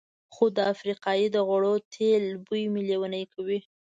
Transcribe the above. خو د افریقایي د غوړو تېلو بوی مې لېونی کوي.